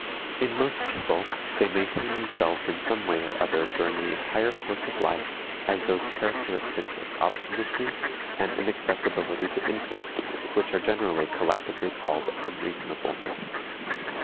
In most people, they maintain themselves in some way or other during the entire course of life as those characteristics of obstinacy and inaccessibility to influence which are generally collectively called unreasonableness.